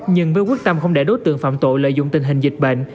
nhưng với quyết tâm không để đối tượng phạm tội lợi dụng tình hình dịch bệnh